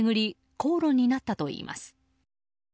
口論になったといいます。